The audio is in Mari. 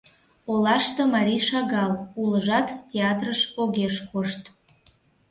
Олаште марий шагал, улыжат театрыш огеш кошт.